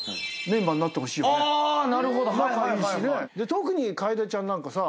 特に楓ちゃんなんかさ